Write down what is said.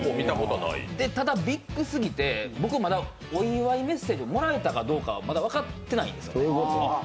ただ、ビッグすぎて、僕、まだお祝いメッセージをもらえたかとうか、まだ分かってないんですよ。